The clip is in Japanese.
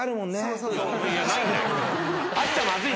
ないんだよ。